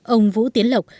ông vũ tiến lộc